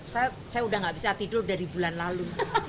saya sudah tidak bisa tidur dari bulan lalu